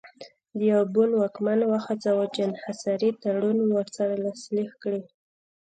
د امبون واکمن وهڅاوه چې انحصاري تړون ورسره لاسلیک کړي.